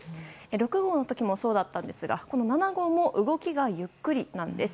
６号の時もそうだったんですが７号も動きがゆっくりなんです。